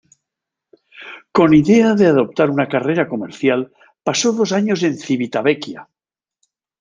Con idea de adoptar una carrera comercial pasó dos años en Civitavecchia.